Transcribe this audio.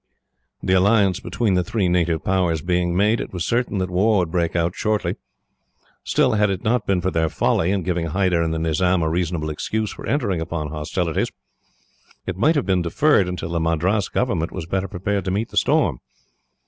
The alliance between the three native Powers being made, it was certain that war would break out shortly. Still, had it not been for their folly, in giving Hyder and the Nizam a reasonable excuse for entering upon hostilities, it might have been deferred until the Madras government was better prepared to meet the storm.